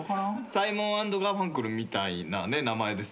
サイモン＆ガーファンクルみたいなね名前ですね。